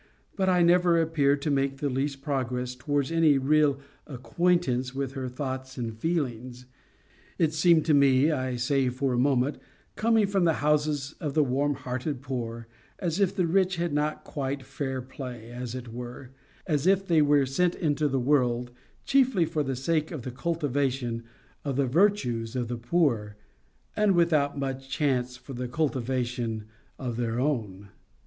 But I never appeared to make the least progress towards any real acquaintance with her thoughts and feelings.—It seemed to me, I say, for a moment, coming from the houses of the warm hearted poor, as if the rich had not quite fair play, as it were—as if they were sent into the world chiefly for the sake of the cultivation of the virtues of the poor, and without much chance for the cultivation of their own.